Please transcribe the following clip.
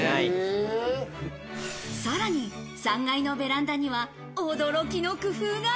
さらに３階のベランダには驚きの工夫が。